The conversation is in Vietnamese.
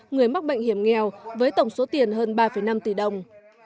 người mắc bệnh hiểm nghèo với tổng số tiền hơn ba năm tỷ đồng